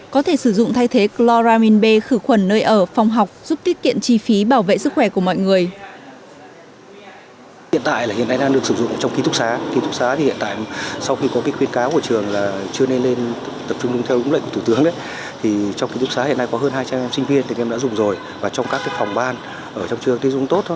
có thể sử dụng thay thế chloramine b khử khuẩn nơi ở phòng học giúp tiết kiện chi phí bảo vệ sức khỏe của mọi người